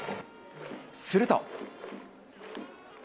すると。